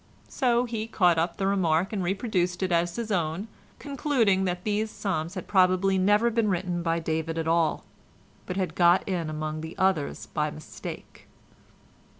So he caught up the remark and reproduced it as his own, concluding that these psalms had probably never been written by David at all, but had got in among the others by mistake.